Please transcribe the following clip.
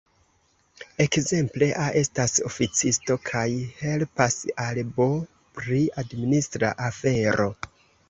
Ekzemple, A estas oficisto kaj helpas al B pri administra afero.